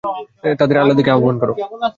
তাদের আল্লাহর দিকে আহবান কর।